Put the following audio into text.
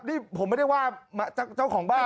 แต่หมายถึงว่า